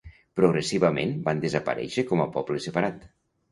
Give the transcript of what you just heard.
Progressivament van desaparèixer com a poble separat.